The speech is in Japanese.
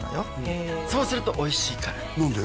へえそうするとおいしいから何で？